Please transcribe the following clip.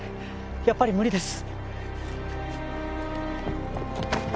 やっぱり無理です。